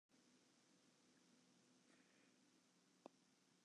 As wy neat dogge, dan skoot de kustline de kant nei it lân op.